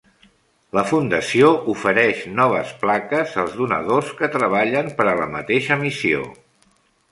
La fundació ofereix noves plaques als donadors que treballen per a la mateixa missió.